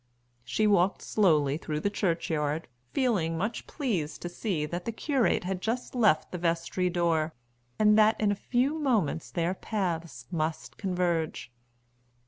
She walked slowly through the churchyard, feeling much pleased to see that the curate had just left the vestry door, and that in a few moments their paths must converge.